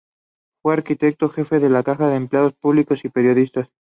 Fue arquitecto jefe de la Caja de Empleados Públicos y Periodistas.